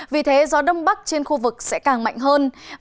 vì thế gió đông bắc trên khu vực sẽ càng mạnh hơn